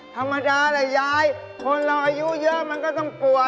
ธรรมดาแหละยายคนเราอายุเยอะมันก็ต้องป่วย